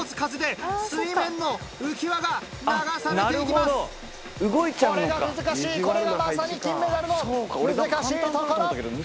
だがこれが難しいこれがまさに金メダルの難しいところ！